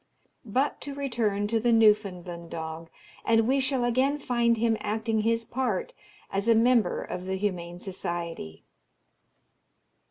But to return to the Newfoundland dog, and we shall again find him acting his part as a Member of the Humane Society.